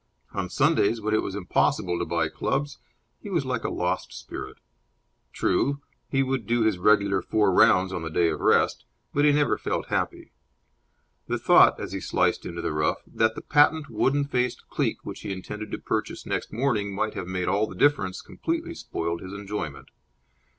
On Sundays, when it was impossible to buy clubs, he was like a lost spirit. True, he would do his regular four rounds on the day of rest, but he never felt happy. The thought, as he sliced into the rough, that the patent wooden faced cleek which he intended to purchase next morning might have made all the difference, completely spoiled his enjoyment.